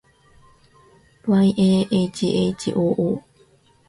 yahhoo